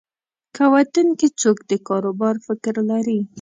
که وطن کې څوک د کاروبار فکر لري.